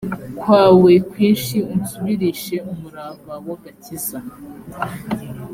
kwawe kwinshi unsubirishe umurava w agakiza